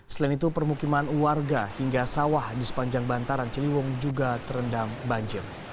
selain itu permukiman warga hingga sawah di sepanjang bantaran ciliwung juga terendam banjir